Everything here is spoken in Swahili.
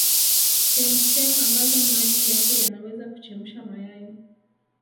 chemchem ambazo maji yake yanaweza kuchemsha mayai